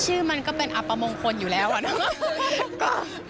มันก็เป็นอัปมงคลอยู่แล้วอะเนาะ